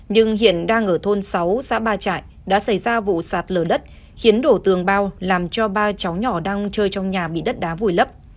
nhưng hiện đang ở thôn sáu xã ba trại đã xảy ra vụ sạt lở đất khiến đổ tường bao làm cho ba cháu nhỏ đang chơi trong nhà bị đất đá vùi lấp